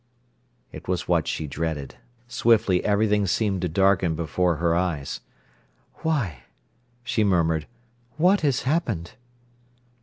It was what she dreaded. Swiftly everything seemed to darken before her eyes. "Why!" she murmured. "What has happened?"